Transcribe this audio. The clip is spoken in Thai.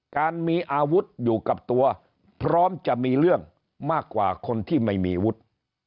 การมีอาวุธอยู่กับตัวพร้อมจะมีเรื่องมากกว่าคนที่ไม่มีอาวุธ